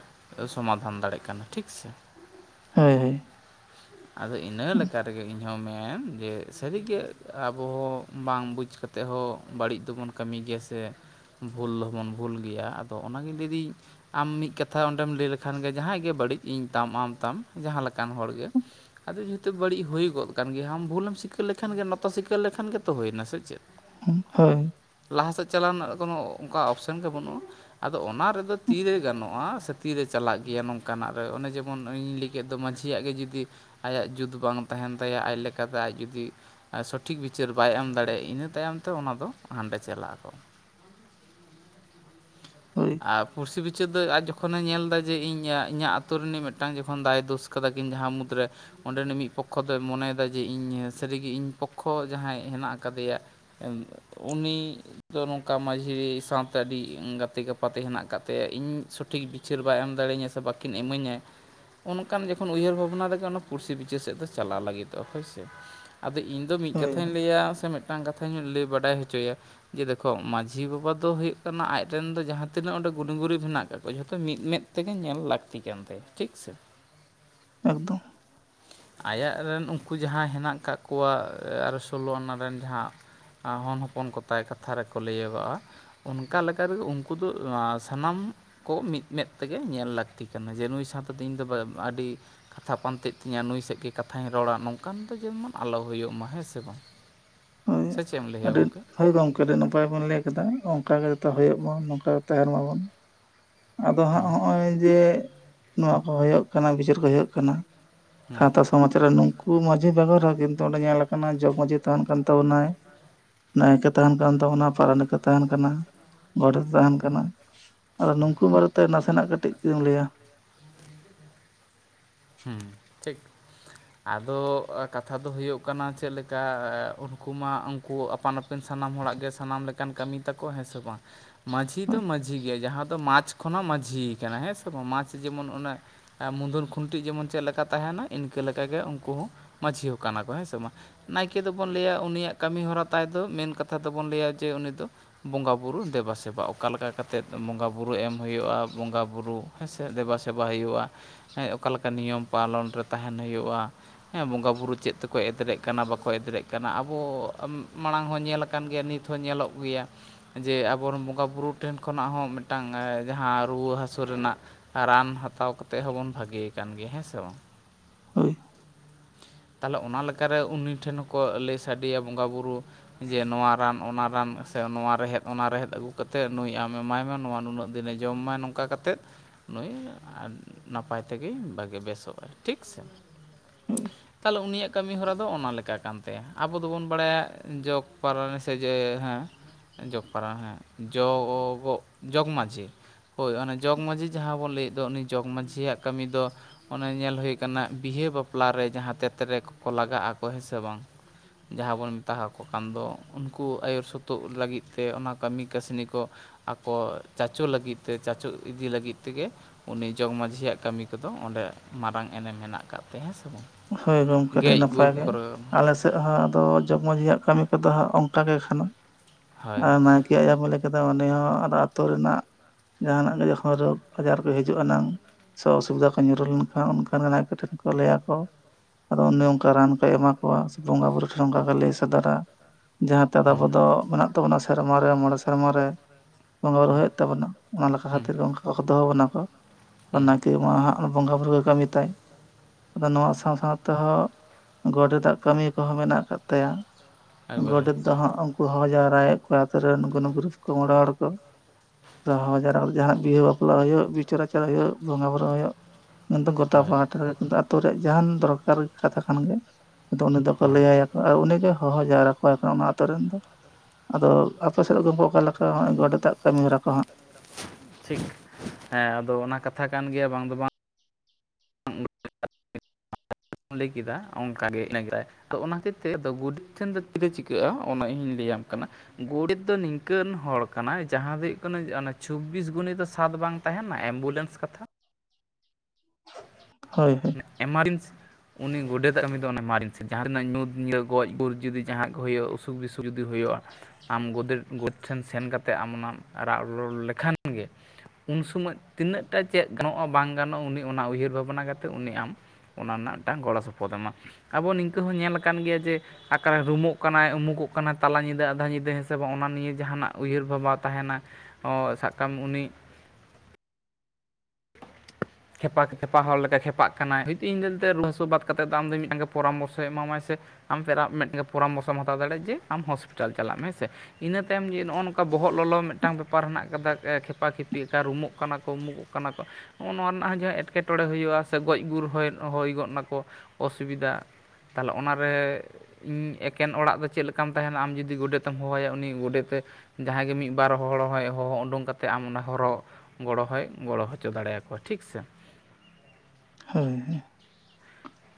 ᱥᱚᱢᱟᱫᱷᱟᱱ ᱫᱟᱲᱮᱜ ᱠᱟᱱᱟ ᱴᱷᱤᱠ ᱥᱮ ᱦᱳᱭ ᱟᱫᱚ ᱤᱱᱟᱹ ᱞᱮᱠᱟ ᱨᱮᱜᱮ ᱤᱧ ᱦᱚᱧ ᱢᱮ ᱡᱮ ᱥᱟᱹᱨᱤᱜᱮ ᱟᱵᱚᱦ ᱦᱚᱸ ᱵᱟᱝ ᱵᱩᱡᱽ ᱠᱟᱛᱮᱫ ᱦᱚᱸ ᱵᱟᱹᱲᱤᱡ ᱫᱚᱵᱚᱱ ᱠᱟᱹᱢᱤ ᱜᱮᱭᱟ ᱥᱮ ᱵᱷᱩᱞ ᱫᱚᱵᱚᱱ ᱵᱷᱩᱞ ᱜᱮᱭᱟ ᱟᱫᱚ ᱚᱱᱟᱜᱮᱧ [unintelligible] ᱟᱢ ᱢᱤᱫ ᱠᱟᱛᱷᱟ ᱚᱸᱰᱮᱢ ᱞᱟᱹᱭ ᱞᱮᱠᱷᱟᱱ ᱜᱮ ᱡᱟᱦᱟᱸᱭ ᱜᱮ ᱵᱟᱹᱲᱤᱡ ᱤᱧ ᱛᱟᱢ ᱟᱢ ᱛᱟᱢ ᱡᱟᱦᱟᱸ ᱞᱮᱠᱟᱱ ᱦᱚᱲᱜᱮ ᱟᱫᱚ ᱡᱮᱦᱮᱛᱩ ᱵᱟᱹᱲᱤᱡ ᱦᱩᱭ ᱜᱚᱫ ᱠᱟᱱ ᱜᱮᱭᱟ ᱟᱢ ᱵᱷᱩᱞᱮᱢ ᱥᱤᱠᱟᱹ ᱞᱮᱠᱷᱟᱱ ᱜᱮ ᱱᱚᱛᱚ ᱥᱤᱸᱠᱟᱹᱣ ᱞᱮᱠᱷᱟᱱ ᱜᱮᱛᱚ ᱦᱩᱭᱮᱱᱟ ᱥᱮ ᱪᱮᱫ ᱦᱚᱭ ᱞᱟᱦᱟᱥᱮᱫ ᱪᱟᱞᱟᱣ ᱨᱮᱱᱟᱜ ᱠᱚᱱᱚ ᱚᱱᱠᱟ ᱚᱯᱥᱚᱱ ᱜᱮ ᱵᱟᱹᱱᱩᱜᱼᱟ ᱟᱫᱚ ᱚᱱᱟ ᱨᱮᱫᱚ ᱛᱤᱨᱮ ᱜᱟᱱᱚᱜᱼᱟ ᱥᱮ ᱛᱤᱨᱮ ᱪᱟᱞᱟᱜ ᱜᱮᱭᱟ ᱱᱚᱝᱠᱟᱱᱟᱜ ᱨᱮ ᱚᱱᱮ ᱡᱮᱢᱚᱱ ᱤᱧ ᱞᱟᱹᱭ ᱠᱮᱫ ᱫᱚ ᱢᱟᱹᱡᱷᱤᱭᱟᱜ ᱜᱮ ᱡᱩᱫᱤ ᱟᱭᱟᱜ ᱡᱩᱛ ᱵᱟᱝ ᱛᱟᱦᱮᱱ ᱛᱟᱭᱟ ᱟᱡ ᱞᱮᱠᱟᱛᱮ ᱟᱡ ᱡᱩᱫᱤ ᱥᱚᱴᱷᱤᱠ ᱵᱤᱪᱟᱹᱨ ᱵᱟᱭ ᱮᱢ ᱫᱟᱲᱮᱭᱟᱜᱼᱟ ᱤᱱᱟᱹ ᱛᱟᱭᱚᱢ ᱛᱮ ᱚᱱᱟ ᱫᱚ ᱦᱟᱸᱰᱮ ᱪᱟᱞᱟᱜ ᱟᱠᱚ ᱦᱳᱭ ᱟᱯ ᱠᱩᱥᱤ ᱵᱤᱪᱟᱹᱨ ᱫᱚ ᱟᱡ ᱡᱚᱠᱷᱚᱱᱮ ᱧᱮᱞ ᱮᱫᱟ ᱡᱮ ᱤᱧ ᱤᱧᱟᱹᱜ ᱟᱛᱳ ᱨᱤᱱᱤᱡ ᱢᱤᱫᱴᱟᱝ ᱡᱚᱠᱷᱚᱱ ᱵᱟᱭ ᱫᱳᱥ ᱟᱠᱟᱫᱟ ᱠᱤᱱ ᱡᱟᱦᱟᱸ ᱢᱩᱫᱽᱨᱮ ᱚᱸᱰᱮᱱᱤᱡ ᱢᱤᱫ ᱯᱚᱠᱷᱚ ᱫᱚᱭ ᱢᱚᱱᱮᱭᱮᱫᱟ ᱡᱮ ᱤᱧ ᱥᱟᱹᱨᱤᱜᱮ ᱤᱧ ᱯᱚᱠᱷᱚ ᱡᱟᱦᱟᱸᱭ ᱦᱮᱱᱟᱜ ᱟᱠᱟᱫᱮᱭᱟ ᱩᱱᱤ ᱫᱚ ᱱᱚᱝᱠᱟ ᱢᱟᱹᱡᱷᱤ ᱥᱟᱶᱛᱮ ᱟᱹᱰᱤ ᱜᱟᱛᱮ ᱜᱟᱯᱟᱛᱮ ᱦᱮᱱᱟᱜ ᱟᱠᱟᱫ ᱛᱟᱭ ᱛᱮ ᱤᱧ ᱥᱚᱴᱷᱤᱠ ᱵᱤᱪᱟᱹᱨ ᱵᱟᱭ ᱮᱢ ᱫᱟᱲᱮᱟᱹᱧᱟᱹ ᱥᱮ ᱵᱟᱠᱤᱱ ᱤᱢᱟᱹᱧᱟᱭ ᱚᱱᱠᱟᱱ ᱡᱚᱠᱷᱚᱱ ᱩᱭᱦᱟᱹᱨ ᱵᱷᱟᱵᱽᱱᱟ ᱨᱮᱜᱮ ᱚᱱᱟ ᱯᱩᱲᱥᱤ ᱵᱤᱪᱟᱹᱨ ᱥᱮᱫ ᱫᱚ ᱪᱟᱞᱟᱣ ᱞᱟᱹᱜᱤᱫᱚᱜᱼᱟ ᱦᱳᱭ ᱥᱮ ᱟᱫᱚ ᱤᱧ ᱤᱧ ᱫᱚ ᱢᱤᱫ ᱦᱳᱭ ᱠᱟᱛᱷᱟᱧ ᱞᱟᱹᱭᱟ ᱥᱮ ᱢᱤᱫᱴᱟᱝ ᱠᱟᱛᱷᱟᱧ ᱞᱟᱹᱭ ᱵᱟᱰᱟᱭ ᱦᱚᱪᱚᱭᱟ ᱡᱮ ᱫᱮᱠᱷᱚ ᱢᱹᱡᱷᱤ ᱵᱟᱵᱟ ᱫᱚ ᱦᱩᱭᱩᱜ ᱠᱟᱱᱟ ᱟᱡᱨᱮᱱ ᱫᱚ ᱡᱟᱦᱟᱸ ᱛᱤᱱᱟᱹᱜ ᱚᱸᱰᱮ ᱜᱩᱱ ᱜᱩᱨᱤᱵᱽ ᱢᱮᱱᱟᱜ ᱟᱠᱟᱫ ᱠᱚᱣᱟ ᱡᱷᱚᱛᱚ ᱢᱤᱫ ᱢᱮᱫ ᱛᱮᱜᱮ ᱧᱮᱞ ᱞᱟᱹᱠᱛᱤ ᱠᱟᱱ ᱛᱟᱭᱟ ᱴᱷᱤᱠ ᱥᱮ ᱮᱠᱫᱚᱢ ᱟᱭᱟᱜ ᱨᱤᱱ ᱩᱱᱠᱩ ᱡᱟᱦᱟᱸ ᱦᱮᱱᱟᱜ ᱠᱟᱜ ᱠᱚᱣᱟ ᱟᱨ ᱥᱩᱞᱚ ᱟ ᱚᱱᱟ ᱨᱮᱱ ᱡᱟᱦᱟᱸ ᱟᱸ ᱦᱚᱱ ᱦᱚᱯᱚᱱ ᱠᱚᱛᱟᱭ ᱠᱟᱛᱷᱟ ᱨᱮᱠᱚ ᱞᱟᱹᱭᱟᱹᱜᱚᱜᱼᱟ ᱚᱱᱠᱟ ᱞᱮᱠᱟ ᱛᱮᱜᱮ ᱩᱱᱠᱩ ᱫᱚ ᱟᱸ ᱥᱟᱱᱟᱢ ᱠᱚ ᱢᱤᱫ ᱢᱮᱸᱫ ᱛᱮᱜᱮ ᱧᱮᱞ ᱞᱟᱹᱠᱛᱤ ᱠᱟᱱᱟ ᱡᱮ ᱱᱩᱭ ᱥᱟᱶᱛᱮ ᱫᱤᱱ ᱫᱚ ᱵᱟᱭ ᱮᱢᱚᱜ-ᱟ ᱟᱹᱰᱤ ᱠᱟᱛᱷᱟ ᱯᱟᱱᱛᱮᱜ ᱛᱤᱧᱟᱹ ᱱᱩᱭ ᱥᱮᱫ ᱜᱮ ᱠᱟᱛᱷᱟᱧ ᱨᱚᱲᱟ ᱱᱚᱝᱠᱟᱱ ᱫᱚ ᱡᱮᱢᱚᱱ ᱟᱞᱚ ᱦᱩᱭᱩᱜ ᱢᱟ ᱦᱮᱸ ᱥᱮ ᱵᱟᱝ ᱦᱳᱭ ᱥᱮ ᱪᱮᱫ ᱮᱢ ᱞᱟᱹᱭᱟ ᱟᱹᱰᱤ ᱜᱚᱝᱠᱮ ᱦᱳᱭ ᱜᱚᱝᱠᱮ ᱫᱚ ᱱᱟᱯᱟᱭ ᱵᱚᱱ ᱞᱟᱹᱭ ᱟᱠᱟᱫᱟ ᱚᱱᱠᱟ ᱜᱮ ᱡᱚᱛᱚ ᱦᱩᱭᱩᱜ ᱢᱟ ᱱᱚᱝᱠᱟ ᱛᱟᱦᱮᱱ ᱢᱟᱵᱚᱱ ᱟᱫᱚ ᱦᱟᱸᱜ ᱦᱮᱸ ᱦᱚᱸᱜᱼᱚᱭ ᱡᱮ ᱱᱚᱣᱟ ᱠᱚ ᱦᱚᱭᱚᱜ ᱠᱟᱱᱟ ᱵᱤᱪᱟᱹᱨ ᱠᱚ ᱦᱩᱭᱩᱜ ᱠᱟᱱᱟ ᱦᱮᱸ ᱥᱟᱶᱛᱟ ᱥᱚᱢᱟᱡᱽ ᱨᱮ ᱱᱩᱠᱩ ᱢᱟᱺᱡᱷᱤ ᱵᱮᱜᱚᱨᱟ ᱠᱤᱱᱛᱩ ᱚᱸᱰᱮ ᱧᱮᱞ ᱟᱠᱟᱱᱟ ᱡᱚᱜᱽ ᱢᱟᱺᱡᱷᱤ ᱛᱟᱦᱮᱱ ᱠᱟᱱ ᱛᱟᱵᱚᱱᱟᱭ ᱱᱟᱭᱠᱮ ᱛᱟᱦᱮᱱ ᱠᱟᱱ ᱛᱟᱵᱚᱱᱟ ᱯᱟᱨᱱᱤᱠ ᱛᱟᱦᱮᱱ ᱠᱟᱱᱟ ᱜᱚᱰᱮᱛ ᱛᱟᱦᱮᱱ ᱠᱟᱱᱟ ᱟᱫᱚ ᱱᱩᱝᱠᱩ ᱵᱟᱨᱮᱛᱮ ᱱᱟᱥᱮᱱᱟᱜ ᱠᱟᱹᱴᱤᱡ ᱮᱢ ᱞᱟᱹᱭᱟ ᱦᱮᱸ ᱴᱷᱤᱠ ᱟᱫᱚ ᱠᱟᱛᱷᱟ ᱫᱚ ᱦᱩᱭᱩᱜ ᱠᱟᱱᱟ ᱪᱮᱫ ᱞᱮᱠᱟ ᱩᱱᱠᱩ ᱢᱟ ᱩᱱᱠᱩ ᱟᱯᱟᱱ ᱟᱯᱤᱱ ᱥᱟᱱᱟᱢ ᱦᱚᱲᱟᱜ ᱜᱮ ᱥᱟᱱᱟᱢ ᱞᱮᱠᱟᱱ ᱠᱟᱹᱢᱤ ᱛᱟᱠᱚ ᱦᱮᱸ ᱥᱮ ᱵᱟᱝ ᱢᱟᱹᱡᱷᱤ ᱫᱚ ᱢᱟᱹᱡᱷᱤ ᱜᱮ ᱡᱟᱦᱟᱸ ᱫᱚ ᱢᱟᱡᱽᱷ ᱠᱷᱚᱱᱟᱜ ᱢᱟᱹᱡᱷᱤ ᱠᱟᱱᱟ ᱦᱮᱸ ᱥᱮ ᱵᱟᱝ ᱢᱟᱡᱷᱤ ᱡᱮᱢᱚᱱ ᱚᱱᱟ ᱢᱩᱫᱚᱱ ᱠᱷᱚ ᱠᱷᱩᱱᱴᱤ ᱡᱮᱢᱚᱱ ᱪᱮᱫ ᱞᱮᱠᱟ ᱛᱟᱦᱮᱱᱟ ᱤᱱᱠᱟᱹ ᱞᱮᱠᱟᱜᱮ ᱩᱱᱠᱩ ᱦᱚᱸ ᱢᱟᱹᱡᱷᱤ ᱠᱟᱱᱟ ᱠᱚ ᱦᱮᱸ ᱥᱮ ᱢᱟ ᱱᱟᱭᱠᱮ ᱫᱚᱵᱚᱱ ᱞᱟᱹᱭᱟ ᱩᱱᱤᱭᱟᱜ ᱠᱟᱹᱢᱤᱦᱚᱨᱟ ᱛᱟᱭ ᱫᱚ ᱢᱮᱱ ᱠᱟᱛᱷᱟ ᱫᱚᱵᱚᱱ ᱞᱟᱹᱭᱟ ᱡᱮ ᱩᱱᱤ ᱫᱚ ᱵᱚᱸᱜᱟᱼᱵᱩᱨᱩ ᱫᱮᱵᱟ ᱥᱮᱵᱟ ᱚᱠᱟ ᱞᱮᱠᱟ ᱠᱟᱛᱮᱫ ᱵᱚᱸᱜᱟᱼᱵᱩᱨᱩ ᱮᱢ ᱦᱩᱭᱩᱜᱼᱟ ᱵᱚᱸᱜᱟᱼᱵᱩᱨᱩ ᱦᱮᱸ ᱥᱮ ᱫᱮᱵᱟ ᱥᱮᱵᱟ ᱦᱩᱭᱩᱜᱼᱟ ᱦᱮᱸ ᱚᱠᱟ ᱞᱮᱠᱟ ᱱᱤᱭᱚᱢ ᱯᱟᱞᱚᱱ ᱨᱮ ᱛᱟᱦᱮᱱ ᱦᱩᱭᱩᱜᱼᱟ ᱦᱮᱸ ᱵᱚᱸᱜᱟ ᱵᱩᱨᱩ ᱪᱮᱫ ᱛᱮᱠᱚ ᱮᱫᱨᱮᱜ ᱠᱟᱱᱟ ᱵᱟᱠᱚ ᱮᱫᱨᱮᱜ ᱠᱟᱱᱟ ᱟᱵᱚ ᱢᱟᱲᱟᱝ ᱦᱚᱸ ᱧᱮᱞ ᱟᱠᱟᱱ ᱜᱮᱭᱟ ᱱᱤᱛ ᱦᱚᱸ ᱧᱮᱞᱚᱜ ᱜᱮᱭᱟ ᱡᱮ ᱟᱵᱚᱨᱮᱱ ᱵᱚᱸᱜᱟᱼᱵᱩᱨᱩ ᱴᱷᱮᱱ ᱠᱷᱚᱱᱟᱜ ᱦᱚᱸ ᱢᱤᱫᱴᱟᱝ ᱡᱟᱦᱟᱸ ᱨᱩᱣᱟᱹ ᱦᱟᱹᱥᱩ ᱨᱮᱱᱟᱜ ᱨᱟᱱ ᱦᱟᱛᱟᱣ ᱠᱟᱛᱮᱜ ᱦᱚᱸᱵᱚᱱ ᱵᱷᱟᱹᱜᱤᱭᱠᱟᱱ ᱜᱮᱭᱟ ᱦᱮᱸ ᱥᱮ ᱵᱟᱝ ᱦᱳᱭ ᱛᱟᱞᱦᱮ ᱚᱱᱟ ᱞᱮᱠᱟᱨᱮ ᱩᱱᱤ ᱴᱷᱮᱱ ᱦᱚᱸᱠᱚ ᱞᱟᱹᱭ ᱥᱟᱰᱤᱭᱟ ᱵᱚᱸᱜᱟ ᱵᱩᱨᱩ ᱡᱮ ᱱᱚᱣᱟ ᱨᱟᱱ ᱚᱱᱟ ᱨᱟᱱ ᱥᱮ ᱱᱚᱣᱟ ᱨᱮᱦᱮᱫ ᱚᱱᱟ ᱨᱮᱦᱮᱫ ᱟᱹᱜᱩ ᱠᱟᱛᱮᱫ ᱱᱩᱭ ᱟᱢ ᱮᱢᱟᱭ ᱢᱮ, ᱱᱚᱣᱟ ᱱᱩᱱᱟᱹᱜ ᱫᱤᱱᱮ ᱡᱚᱢᱢᱟ ᱱᱚᱝᱠᱟ ᱠᱟᱛᱮᱫ ᱱᱩᱭ ᱱᱟᱯᱟᱭ ᱛᱮᱜᱮ ᱵᱷᱟᱜᱮ ᱵᱮᱥᱚᱜ ᱟᱭ ᱴᱷᱤᱠ ᱥᱮ ᱛᱟᱞᱦᱮ ᱩᱱᱤᱭᱟᱜ ᱠᱟᱹᱢᱤᱦᱚᱨᱟ ᱫᱚ ᱚᱱᱟ ᱞᱮᱠᱟ ᱠᱟᱱ ᱛᱟᱭᱟ ᱟᱵᱚ ᱫᱚᱵᱚᱱ ᱵᱟᱲᱟᱭᱟ ᱡᱚᱠ ᱯᱟᱨᱟᱱᱤ ᱥᱮ ᱡᱮ ᱦᱮᱸ ᱡᱚᱜᱽ ᱯᱟᱨᱟᱱᱟ ᱦᱮᱸ ᱡᱚᱜᱚᱜ ᱡᱚᱜᱽ ᱢᱟᱺᱡᱷᱤ ᱦᱳᱭ ᱚᱱᱟ ᱡᱚᱜᱽ ᱢᱟᱺᱡᱷᱤ ᱡᱟᱦᱟᱸ ᱵᱚᱱ ᱞᱟᱹᱭᱮᱫ ᱫᱚ ᱩᱱᱤ ᱡᱚᱜᱽᱢᱟᱹᱡᱷᱤᱭᱟᱜ ᱠᱟᱹᱢᱤ ᱫᱚ ᱚᱱᱮ ᱧᱮᱞ ᱦᱩᱭ ᱠᱟᱱᱟ ᱵᱤᱦᱟᱹ ᱵᱟᱯᱞᱟ ᱨᱮ ᱡᱟᱦᱟᱸ ᱛᱮᱛᱨᱮ ᱠᱚ ᱠᱚ ᱞᱟᱜᱟᱜ-ᱟᱠᱚ ᱦᱮᱸ ᱥᱮ ᱵᱟᱝ ᱡᱟᱦᱟᱸ ᱵᱚᱱ ᱢᱮᱛᱟ ᱦᱟᱠᱚ ᱠᱟᱱ ᱫᱚ ᱩᱱᱠᱩ ᱟᱹᱭᱩᱨ ᱥᱩᱛᱩᱜ ᱞᱟᱹᱜᱤᱫ ᱛᱮ ᱚᱱᱟ ᱠᱟᱹᱢᱤ ᱠᱟᱹᱥᱱᱤ ᱠᱚ ᱟᱠᱚ ᱪᱟᱪᱳ ᱞᱟᱹᱜᱤᱫ ᱛᱮ ᱪᱟᱪᱳ ᱤᱫᱤ ᱞᱟᱹᱜᱤᱫ ᱛᱮᱜᱮ ᱩᱱᱤ ᱡᱚᱜᱽ ᱢᱟᱹᱡᱷᱤᱭᱟᱜ ᱠᱟᱹᱢᱤ ᱠᱚᱫᱚ ᱚᱸᱰᱮ ᱢᱟᱨᱟᱝ ᱮᱱᱮᱢ ᱦᱮᱱᱟᱜ ᱟᱠᱟᱫ ᱛᱟᱭᱟ ᱦᱮᱸ ᱥᱮ ᱵᱟᱝ ᱦᱳᱭ ᱜᱚᱢᱠᱮ ᱟᱹᱰᱤ ᱜᱮᱡ ᱜᱩᱨ ᱱᱟᱯᱟᱭ ᱜᱮ ᱠᱚᱨᱟ ᱟᱞᱮ ᱥᱮ ᱦᱚᱸ ᱟᱫᱚ ᱡᱚᱜᱽ ᱢᱟᱡᱷᱤᱭᱟᱜ ᱠᱟᱹᱢᱤ ᱠᱚᱫᱚ ᱦᱟᱸᱜ ᱚᱱᱠᱟᱟᱜ ᱜᱮ ᱠᱟᱱᱟ ᱦᱳᱭ ᱟᱨ ᱱᱟᱭᱠᱮ ᱪᱮᱫᱞᱮᱠᱟ ᱢᱚᱱᱮ ᱠᱮᱫᱟ ᱩᱱᱤ ᱦᱚᱸ ᱟᱨ ᱟᱹᱛᱩ ᱨᱮᱱᱟᱜ ᱡᱟᱦᱟᱱᱟᱜ ᱜᱮ ᱡᱚᱠᱷᱚᱱ ᱨᱳᱜᱽ ᱟᱡᱟᱨ ᱠᱚ ᱦᱤᱡᱩᱜ ᱟᱱᱟᱝ ᱥᱮ ᱚᱥᱩᱵᱤᱫᱟ ᱠᱚ ᱧᱩᱨᱩ ᱞᱮᱱᱠᱷᱟᱱ ᱚᱱᱠᱟᱱ ᱨᱮ ᱱᱟᱷ ᱟᱠᱚ ᱴᱷᱮᱱ ᱠᱚ ᱞᱟᱹᱭᱟᱠᱚ ᱟᱫᱚ ᱩᱱᱤ ᱚᱱᱠᱟ ᱨᱟᱱ ᱠᱚᱭ ᱮᱢᱟ ᱠᱚᱣᱟ ᱥᱮ ᱵᱚᱸᱜᱟᱼ ᱵᱩᱨᱩ ᱴᱷᱮᱱ ᱚᱱᱠᱟ ᱜᱮ ᱞᱟᱹᱭ ᱥᱚᱫᱚᱨᱟ ᱡᱟᱦᱟᱸᱛᱮ ᱟᱨ ᱦᱩᱸ ᱟᱵᱚ ᱫᱚ ᱢᱮᱱᱟᱜ ᱛᱟᱵᱚᱱᱟ ᱥᱮᱨᱢᱟ ᱨᱮ ᱢᱚᱬᱮ ᱥᱮᱨᱢᱟ ᱨᱮ ᱵᱚᱸᱜᱟ ᱵᱩᱨᱩ ᱦᱩᱭᱩᱜ ᱛᱟᱵᱚᱱᱟ ᱚᱱᱟ ᱞᱮᱠᱟ ᱦᱩᱸ ᱠᱷᱟᱹᱛᱤᱨ ᱜᱮ ᱚᱱᱠᱟᱠᱚ ᱫᱚᱦᱚ ᱵᱚᱱᱟ ᱠᱚ ᱦᱩᱸ ᱱᱟᱭᱠᱮ ᱱᱚᱣᱟ ᱦᱟᱸᱜ ᱵᱚᱸᱜᱟᱼ ᱵᱩᱨᱩ ᱠᱟᱹᱢᱤ ᱛᱟᱭ ᱟᱫᱚ ᱱᱚᱣᱟ ᱥᱟᱶ ᱥᱟᱶ ᱛᱮᱦᱚᱸ ᱜᱚᱰᱮᱛᱟᱜ ᱠᱟᱹᱢᱤ ᱠᱚᱦᱚᱸ ᱢᱮᱱᱟᱜ ᱟᱠᱟᱫ ᱛᱟᱭᱟ ᱮᱠᱵᱟᱨᱮ ᱜᱚᱰᱮᱛ ᱫᱚ ᱦᱟᱸᱜ ᱩᱱᱠᱩ ᱦᱚᱦᱚ ᱡᱟᱣᱨᱟᱭᱮᱫ ᱠᱚᱣᱟ ᱟᱛᱳ ᱨᱮᱱ ᱜᱩᱱ ᱜᱩᱨᱩ ᱠᱚ ᱢᱚᱬᱮ ᱦᱚᱲ ᱠᱚ ᱵᱟᱦᱟ ᱵᱟ ᱡᱟᱣᱨᱟ ᱡᱟᱦᱟᱱᱟᱜ ᱵᱤᱦᱟᱹ ᱵᱟᱯᱞᱟ ᱦᱩᱭᱩᱜ ᱵᱤᱪᱟᱹᱨ ᱨᱟᱪᱟᱨ ᱦᱩᱭᱩᱜ ᱵᱚᱸᱜᱟ ᱵᱩᱨᱩ ᱦᱩᱭᱩᱜ ᱩᱱᱤ ᱫᱚ ᱜᱚᱴᱟ ᱦᱳᱭ ᱯᱟᱦᱟᱴᱟ ᱨᱮ ᱠᱤᱱᱛᱩ ᱟᱹᱛᱩ ᱨᱮᱭᱟᱜ ᱡᱟᱦᱟᱱ ᱫᱚᱨᱠᱟᱨ ᱠᱟᱛᱷᱟ ᱠᱟᱱ ᱜᱮ ᱠᱤᱱᱛᱩ ᱩᱱᱤ ᱫᱚᱠᱚ ᱦᱮᱸ ᱞᱟᱹᱭᱟᱭᱟ ᱟᱨ ᱩᱱᱤᱜᱮ ᱦᱚᱦᱚ ᱡᱟᱣᱨᱟ ᱠᱚᱣᱟᱭ ᱛᱚ ᱚᱱᱟ ᱟᱛᱳ ᱨᱮᱱ ᱫᱚ ᱟᱫᱚ ᱟᱯᱮ ᱥᱮᱫ ᱨᱮ ᱫᱚ ᱜᱚᱢᱠᱮ ᱚᱠᱟ ᱞᱮᱠᱟ ᱜᱚᱰᱮᱛᱟᱜ ᱠᱟᱹᱢᱤᱦᱚᱨᱟ ᱠᱚ ᱦᱟᱸᱜ ᱴᱷᱤᱠ ᱦᱮᱸ ᱟᱫᱚ ᱚᱱᱟ ᱠᱟᱛᱷᱟ ᱠᱟᱱ ᱜᱮᱭᱟ ᱵᱟᱝ ᱫᱚ ᱵᱟᱝ ᱞᱟᱹᱭ ᱠᱮᱫᱟ ᱚᱱᱠᱟᱜᱮ ᱤᱱᱟᱹ ᱠᱮᱫᱟᱭ ᱛᱚ ᱚᱱᱟ ᱠᱷᱟᱹᱛᱤᱨ ᱛᱮ ᱜᱚᱰᱮᱛ ᱴᱷᱮᱱ ᱫᱚ ᱛᱤᱨᱮ ᱪᱤᱠᱟᱹᱜᱼᱟ ᱚᱱᱟ ᱤᱧ ᱞᱟᱹᱭᱟᱢ ᱠᱟᱱᱟ᱾ ᱜᱩᱰᱮᱛ ᱫᱚ ᱱᱤᱝᱠᱟᱹᱱ ᱦᱚᱲ ᱠᱟᱱᱟᱭ ᱡᱟᱦᱟᱸ ᱫᱚ ᱦᱩᱭᱩᱜ ᱠᱟᱱᱟ ᱪᱚᱵᱵᱤᱥ ᱜᱩᱱᱤᱛᱚ ᱥᱟᱛ ᱵᱟᱝ ᱛᱟᱦᱮᱱᱟ ᱮᱢᱵᱩᱞᱮᱸᱥ ᱠᱟᱛᱷᱟ ᱦᱳᱭ ᱦᱳᱭ ᱮᱢᱟᱨᱡᱮᱱᱥᱤ ᱩᱱᱤ ᱜᱚᱰᱮᱛᱟᱜ ᱠᱟᱹᱢᱤ ᱫᱚ ᱚᱱᱟ ᱮᱢᱟᱨᱡᱮᱱᱥᱤ ᱡᱟᱦᱟᱸ ᱨᱮᱱᱟᱜ ᱧᱩᱛ ᱧᱤᱫᱟᱹ ᱜᱚᱡ ᱜᱩᱨ ᱡᱩᱫᱤ ᱡᱟᱦᱟᱸ ᱠᱚ ᱦᱩᱭᱩᱜᱼᱟ ᱚᱥᱩᱠ ᱵᱤᱥᱩᱠ ᱡᱩᱫᱤ ᱦᱩᱭᱩᱜᱼᱟ ᱟᱢ ᱜᱩᱰᱮᱛ ᱜᱚᱰ ᱴᱷᱮᱱ ᱥᱮᱱ ᱠᱟᱛᱮᱫ ᱟᱢ ᱚᱱᱟᱢ ᱨᱟᱜ ᱨᱚᱲ ᱞᱮᱠᱷᱟᱱ ᱜᱮ ᱩᱱ ᱥᱚᱢᱚᱭ ᱛᱤᱱᱟᱹᱜ ᱴᱟ ᱪᱮᱫ ᱜᱟᱱᱚᱜᱼᱟ ᱵᱟᱝ ᱜᱟᱱᱚᱜᱼᱟ ᱩᱱᱤ ᱚᱱᱟ ᱩᱭᱦᱟᱹᱨ ᱵᱷᱟᱵᱽᱱᱟ ᱠᱟᱛᱮᱫ ᱩᱱᱤ ᱟᱢ ᱚᱱᱟ ᱨᱮᱱᱟᱜ ᱢᱤᱫᱴᱟᱝ ᱜᱚᱲᱚ ᱥᱚᱯᱚᱦᱚᱫ-ᱮ ᱮᱢᱟ ᱟᱵᱚ ᱱᱤᱝᱠᱟᱹ ᱦᱚᱸ ᱧᱮᱞᱟᱠᱟᱱ ᱜᱮᱭᱟ ᱡᱮ ᱚᱠᱟᱨᱮ ᱨᱩᱢᱚᱜ ᱠᱟᱱᱟᱭ ᱩᱢᱩᱩᱜᱚᱜ ᱠᱟᱱᱟᱭ ᱛᱟᱞᱟ ᱧᱤᱫᱟᱹ ᱟᱫᱷᱟ ᱧᱤᱫᱟᱹ ᱦᱮᱸᱥᱮ ᱵᱟᱝ ᱚᱱᱟ ᱱᱤᱭᱮ ᱡᱟᱦᱟᱱᱟᱜ ᱩᱭᱦᱟᱹᱨ ᱵᱷᱟᱵᱽᱱᱟ ᱛᱟᱦᱮᱱᱟ ᱦᱳᱭ ᱥᱟᱵ ᱠᱟᱜ ᱢᱮ ᱩᱱᱤ ᱠᱷᱮᱯᱟ ᱠᱷᱮᱯᱟ ᱦᱚᱲ ᱞᱮᱠᱟ ᱠᱷᱮᱯᱟᱜ ᱠᱟᱱᱟᱭ ᱦᱚᱭᱛᱳ ᱤᱧᱫᱚ ᱞᱟᱹᱭᱫᱟᱧ ᱨᱩᱣᱟᱹ ᱦᱟᱹᱥᱩ ᱵᱟᱫ ᱠᱟ ᱠᱟᱛᱮᱫ ᱟᱢᱫᱚ ᱢᱤᱫᱴᱟᱝ ᱜᱮ ᱯᱚᱨᱟᱢᱚᱨᱥᱚᱭ ᱮᱢᱟᱢᱟᱭ ᱥᱮ ᱟᱢ ᱯᱮᱨᱟ ᱢᱮᱜᱴᱮᱝ ᱯᱚᱨᱟᱢᱚᱨᱥᱚᱢ ᱦᱟᱛᱟᱣ ᱫᱟᱲᱮᱜᱼᱟ ᱡᱮ ᱟᱢ ᱦᱚᱥᱯᱤᱴᱟᱞ ᱪᱟᱞᱟᱜ ᱢᱮ ᱦᱮᱸᱥ ᱥᱮ᱾ ᱤᱱᱟᱹ ᱛᱟᱭᱚᱢ ᱡᱮ ᱱᱚᱜᱼᱚ ᱱᱚᱠᱟ ᱵᱚᱦᱚᱜ ᱞᱚᱞᱚ ᱢᱤᱜᱴᱟᱝ ᱵᱮᱯᱟᱨ ᱦᱮᱱᱟᱜ ᱠᱟᱫᱟ ᱮ ᱠᱷᱮᱯᱟ ᱠᱷᱤᱠᱟ ᱮᱠᱟ ᱨᱩᱢᱩᱜ ᱠᱟᱱᱟ ᱠᱚ ᱩᱢᱩᱜ ᱠᱟᱱᱟ ᱠᱚ, ᱦᱚᱜᱼᱱᱚᱣᱟ ᱨᱮᱱᱟᱜ ᱦᱚᱸ ᱡᱟᱦᱟᱸ ᱮᱸᱴᱠᱮᱴᱚᱬᱮ ᱦᱩᱭᱩᱜᱼᱟ ᱥᱮ ᱜᱚᱡ ᱜᱩᱨ ᱦᱚᱭ ᱦᱩᱭ ᱜᱚᱫ ᱱᱟᱠᱚ᱾ ᱚᱥᱩᱵᱤᱫᱷᱟ ᱛᱟᱦᱞᱮ ᱚᱱᱟᱨᱮ ᱤᱧ ᱮᱠᱮᱱ ᱚᱲᱟᱜ ᱫᱚ ᱪᱮᱫ ᱞᱮᱠᱟᱢ ᱛᱟᱦᱮᱱᱟ ᱟᱢ ᱡᱩᱫᱤ ᱜᱚᱰᱮᱛ ᱛᱮᱢ ᱦᱚᱦᱣᱟᱭᱟ ᱩᱱᱤ ᱜᱚᱰᱮᱛ ᱮ ᱡᱟᱦᱟᱸᱭ ᱜᱮ ᱢᱤᱫ ᱵᱟᱨ ᱦᱚᱲ ᱦᱚᱦᱚ ᱩᱰᱩᱠ ᱠᱟᱛᱮᱫ ᱟᱢ ᱚᱱᱟ ᱦᱚᱨᱚᱜ ᱜᱚᱲᱚ ᱦᱚᱭ ᱜᱚᱲᱚ ᱦᱚᱪᱚ ᱫᱟᱲᱮᱭᱟᱠᱚᱣᱟ ᱴᱷᱤᱠ ᱥᱮ᱾ ᱦᱳᱭᱮ᱾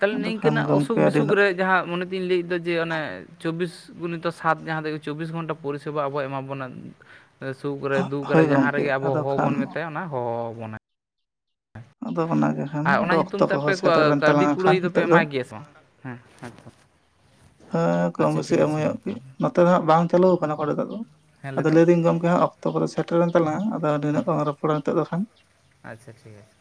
ᱛᱟᱦᱚᱞᱮ ᱱᱤᱝᱠᱟᱹᱱᱟᱜ ᱚᱥᱩᱠ ᱟᱹᱰᱤ ᱵᱤᱥᱩᱠ ᱨᱮ ᱡᱟᱦᱟᱸ ᱢᱚᱱᱮ ᱛᱤᱧ ᱞᱟᱹᱭᱫᱟ ᱡᱮ ᱚᱱᱮ ᱪᱚᱵᱵᱤᱥ ᱜᱩᱱᱤᱛᱚ ᱥᱟᱛ ᱡᱟᱦᱟᱸ ᱛᱮᱜᱮ ᱪᱚᱵᱽᱵᱤᱥ ᱜᱷᱚᱱᱴᱟ ᱯᱚᱨᱤᱥᱮᱵᱟ ᱟᱵᱚ ᱮᱢᱟ ᱵᱚᱱᱟ᱾ ᱥᱩᱠ ᱨᱮ ᱫᱩᱠ ᱦᱳᱭ ᱨᱮ ᱡᱟᱦᱟᱸ ᱜᱚᱢᱠᱮ ᱨᱮᱜᱮ ᱟᱵᱚ ᱟᱫᱚ ᱦᱚᱦᱚ ᱠᱷᱟᱱ ᱵᱚᱱ ᱢᱮᱛᱟᱭᱟ ᱚᱱᱟ ᱦᱚᱦᱚ ᱟᱫᱚ ᱚᱱᱟᱜᱮ ᱠᱷᱟᱱ ᱟ ᱚᱱᱟ ᱟᱫᱚ ᱧᱩᱛᱩᱢ ᱚᱠᱛᱚ ᱛᱮ ᱟᱯᱮ ᱠᱚᱦᱚᱸ ᱠᱚ ᱥᱮᱴᱮᱨᱮᱱ ᱠᱟᱹᱣᱰᱤ ᱛᱟᱞᱟᱝᱟ ᱠᱷᱟᱱ ᱠᱩᱲᱟᱹᱭ ᱫᱚᱯᱮ ᱱᱤᱛᱚᱜ ᱫᱚ ᱮᱢᱟᱭ ᱜᱮᱭᱟ ᱥᱮ ᱵᱟᱝ? ᱦᱮᱸ ᱦᱮᱛᱚ ᱦᱮᱸ ᱠᱚᱢ ᱵᱮᱥᱤ ᱮᱢ ᱦᱩᱭᱩᱜᱚᱜ ᱜᱮ ᱛᱟᱦᱚᱞᱮ ᱱᱚᱛᱮ ᱫᱚ ᱦᱟᱸᱜ ᱵᱟᱝ ᱪᱟᱹᱞᱩᱣ ᱠᱟᱱᱟ ᱠᱚ ᱱᱤᱛᱚᱜ ᱫᱚ, ᱦᱮᱸ ᱞᱟᱹᱭ ᱟᱫᱚ ᱫᱟᱢ ᱞᱟᱹᱭᱫᱟᱹᱧ ᱜᱚᱝᱠᱮ ᱦᱟᱸᱜ ᱚᱠ ᱛᱚ ᱠᱚᱫᱚ ᱥᱮᱴᱮᱨᱮᱱ ᱛᱟᱞᱟᱝ ᱟᱫᱚ ᱱᱤᱱᱟᱹᱜ ᱦᱮᱸ ᱵᱟᱞᱟᱝ ᱨᱚᱯᱚᱲᱟ ᱱᱤᱛᱚᱜ ᱫᱚ ᱠᱷᱟᱱ᱾ ᱟᱪᱪᱷᱟ ᱴᱷᱤᱠ ᱟᱪᱷ